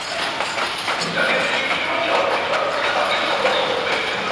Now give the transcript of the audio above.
迈阿密都会区位于佛罗里达州南部。